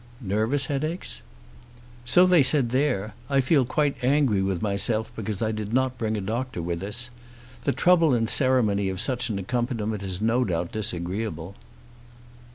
"Nervous headaches?" "So they said there. I feel quite angry with myself because I did not bring a doctor with us. The trouble and ceremony of such an accompaniment is no doubt disagreeable."